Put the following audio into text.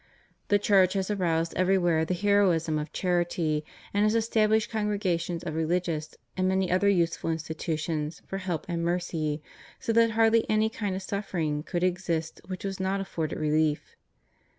The Church has aroused everywhere the heroism of charity, and has estabUshed congregations of rehgious and many other useful institutions for help and mercy, so that hardly any kind of suffering could exist which was not afforded reUef.